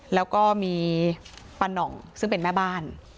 แล้วก็มีป้าน่องซึ่งเป็นแม่บ้าน